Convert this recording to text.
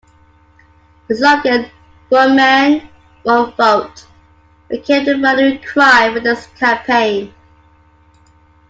The slogan "one man, one vote" became a rallying cry for this campaign.